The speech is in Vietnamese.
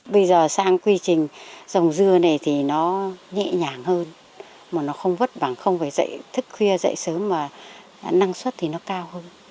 bây giờ sang quy trình dòng dưa này thì nó nhẹ nhàng hơn mà nó không vất vảng không phải dậy thức khuya dậy sớm mà năng suất thì nó cao hơn